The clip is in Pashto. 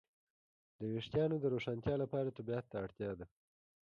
د وېښتیانو د روښانتیا لپاره طبيعت ته اړتیا ده.